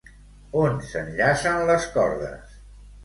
On s'enllacen les cordes?